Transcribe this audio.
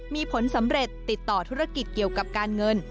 มีผลสำเร็จติดต่อธุรกิจเกี่ยวกับการเงิน